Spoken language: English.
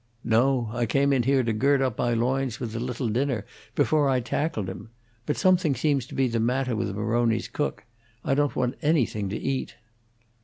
"No. I came in here to gird up my loins with a little dinner before I tackled him. But something seems to be the matter with Maroni's cook. I don't want anything to eat."